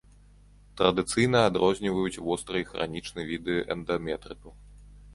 Традыцыйна адрозніваюць востры і хранічны віды эндаметрыту.